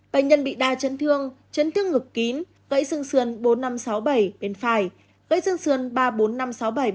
bệnh nhân bị đa chấn thương chấn thương ngực kín gãy xương xương bốn nghìn năm trăm sáu mươi bảy bên phải gãy xương xương ba mươi bốn nghìn năm trăm sáu mươi bảy bên trái